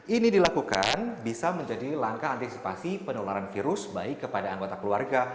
ini dilakukan bisa menjadi langkah antisipasi penularan virus baik kepada anggota keluarga